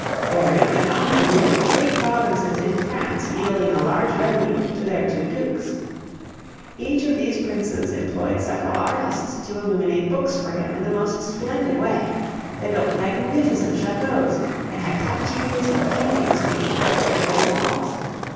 Berry and Anjou were great provinces in France yielding a large revenue to their two Dukes. Each of these princes employed several artists to illuminate books for him in the most splendid way; they built magnificent chateaux, and had tapestries and paintings made to decorate their walls.